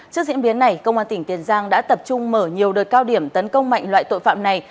trước diễn biến này công an tỉnh tiền giang đã tập trung mở nhiều đợt cao điểm tấn công mạnh loại tội phạm này